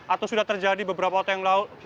atau sudah terjadi beberapa otak yang melakukan